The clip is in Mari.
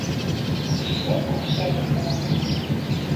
Пыкше-пыкше лектын улына.